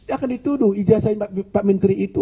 akan dituduh ijazah pak menteri itu